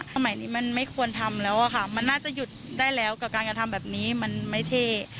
สมัยนี้มันไม่ควรทำแล้วอะค่ะมันน่าจะหยุดได้แล้วกับการกระทำแบบนี้มันไม่เท่